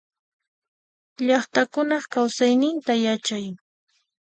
Llaqtakunaq kausayninta yachay.